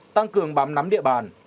tăng cường bám nắm địa bàn